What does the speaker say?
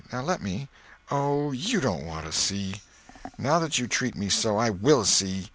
Now let me." "Oh, you don't want to see!" "Now that you treat me so, I will see."